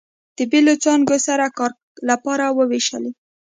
د بېلو څانګو سره کار لپاره ووېشلې.